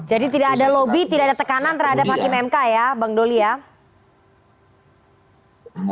jadi tidak ada lobby tidak ada tekanan terhadap hakim mk ya bang doli ya